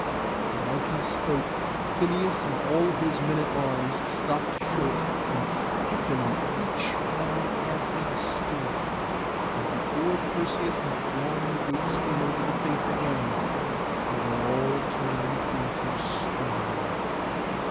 And as he spoke Phineus and all his men at arms stopped short, and stiffened each man as he stood; and before Perseus had drawn the goat skin over the face again, they were all turned into stone.